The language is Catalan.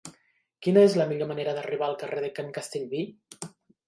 Quina és la millor manera d'arribar al carrer de Can Castellví?